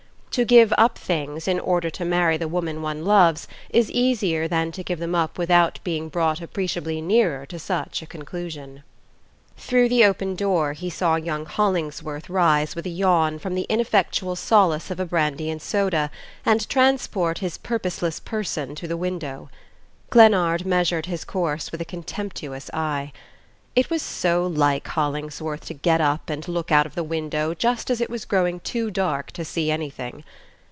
To give up things in order to marry the woman one loves is easier than to give them up without being brought appreciably nearer to such a conclusion. Through the open door he saw young Hollingsworth rise with a yawn from the ineffectual solace of a brandy and soda and transport his purposeless person to the window. Glennard measured his course with a contemptuous eye. It was so like Hollingsworth to get up and look out of the window just as it was growing too dark to see anything!